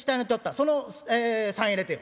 その３円入れてよ」。